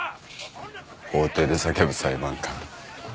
法廷で叫ぶ裁判官。